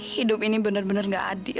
hidup ini bener bener gak adil